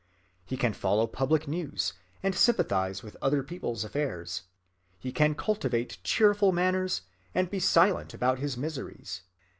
He can follow public news, and sympathize with other people's affairs. He can cultivate cheerful manners, and be silent about his miseries.